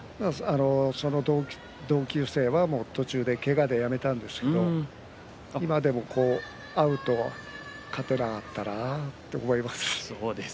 その同級生は途中けがでやめたんですけれども今でも会うと勝てなかったなと思います。